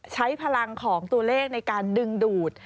ใช้พลังของตัวเลขในการดึงดูด